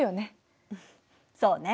そうね。